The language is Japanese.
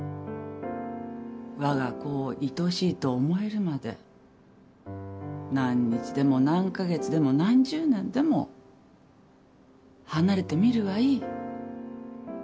わが子をいとしいと思えるまで何日でも何カ月でも何十年でも離れてみるがいい。